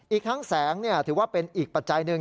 อีกทั้งแสงถือว่าเป็นอีกปัจจัยหนึ่ง